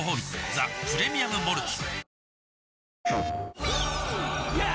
ザ・プレミアム・モルツ」